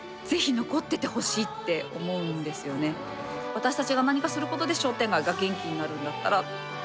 私たちが何かすることで商店街が元気になるんだったら。